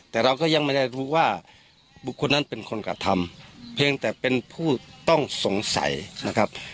แต่เราก็ยังไม่ได้รู้ว่าบุคคลนั้นเป็นคนกระทำเพียงแต่เป็นผู้ต้องสงสัยนะครับ